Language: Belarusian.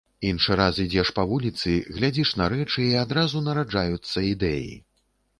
Іншы раз ідзеш па вуліцы, глядзіш на рэчы і адразу нараджаюцца ідэі.